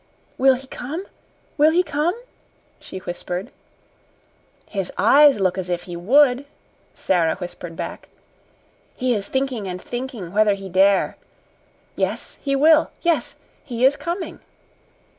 "Will he come? Will he come?" she whispered. "His eyes look as if he would," Sara whispered back. "He is thinking and thinking whether he dare. Yes, he will! Yes, he is coming!"